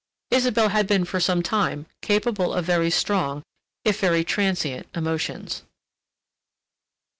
Isabelle had been for some time capable of very strong, if very transient emotions....